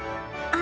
あ！